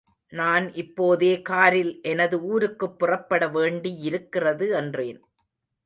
நான் இப்போதே காரில் எனது ஊருக்குப் புறப்பட வேண்டியிருக்கிறது என்றேன்.